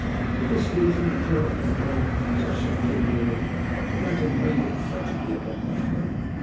For this reason I tore off my coat, and, attaching it to an oar, began to wave it frantically above my head.